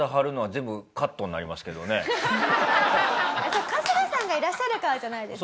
俺はそれ春日さんがいらっしゃるからじゃないですか？